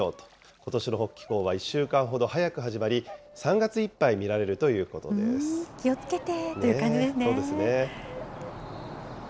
ことしの北帰行は１週間ほど早く始まり、３月いっぱい見られると気をつけて。